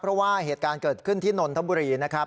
เพราะว่าเหตุการณ์เกิดขึ้นที่นนทบุรีนะครับ